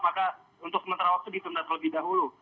maka untuk menterawak itu ditunda terlebih dahulu